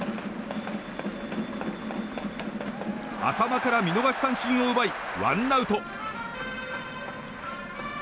淺間から見逃し三振を奪いワンアウト。